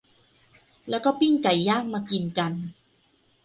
แล้วก็ปิ้งไก่ย่างมากินกัน